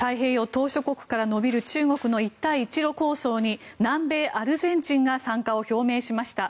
島しょ国から延びる中国の一帯一路構想に南米アルゼンチンが参加を表明しました。